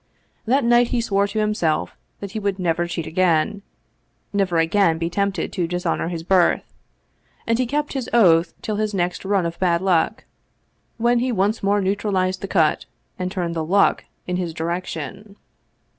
That night he swore to himself that he would never cheat again, never again be tempted to dishonor his birth; and he kept his oath till his next run of bad luck, when he once more neutralized the cut and turned the " luck " in his direction.